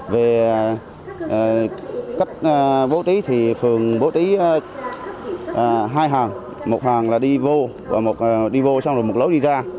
về cách bố trí thì phường bố trí hai hàng một hàng là đi vô và một đi vô xong rồi một lối đi ra